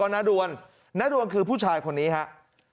น้าดวนน้าดวนคือผู้ชายคนนี้ครับ